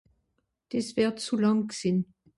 des wert zu làng g'sìn